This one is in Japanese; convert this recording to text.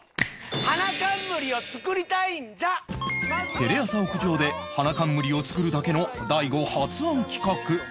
テレ朝屋上で花冠を作るだけの大悟発案企画